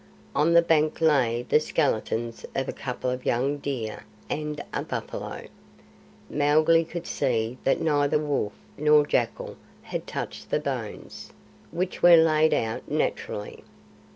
On the bank lay the skeletons of a couple of young deer and a buffalo. Mowgli could see that neither wolf nor jackal had touched the hones, which were laid out naturally.